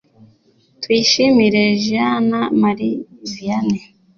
tuyishimire jeana marie vianney